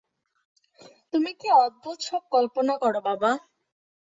তুমি কী অদ্ভুত সব কল্পনা কর বাবা!